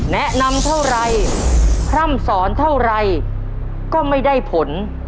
แนะนำเท่าไรพร่ำสอนเท่าไรก็ไม่ได้ผล